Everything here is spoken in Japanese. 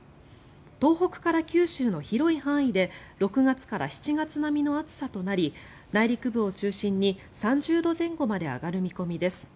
東北から九州の広い範囲で６月から７月並みの暑さとなり内陸部を中心に３０度前後まで上がる見込みです。